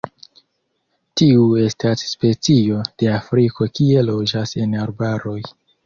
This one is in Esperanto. Tiu estas specio de Afriko kie loĝas en arbaroj.